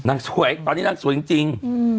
นางสวยตอนนี้นางสวยจริง